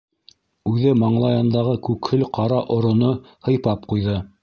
Үҙе маңлайындағы күкһел ҡара ороно һыйпап ҡуйҙы.